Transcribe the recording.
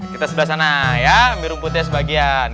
kita sebelah sana ya ambil rumputnya sebagian